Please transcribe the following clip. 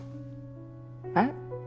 えっ？